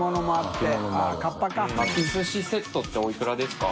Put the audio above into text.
すしセットっておいくらですか？